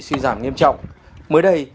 suy giảm nghiêm trọng mới đây